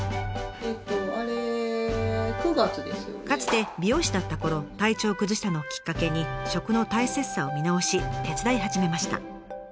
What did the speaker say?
かつて美容師だったころ体調を崩したのをきっかけに食の大切さを見直し手伝い始めました。